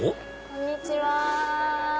こんにちは。